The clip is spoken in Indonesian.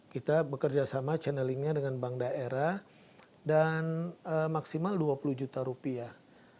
kita bekerja sama channelingnya dengan bank daerah dan maksimal dua puluh juta rupiah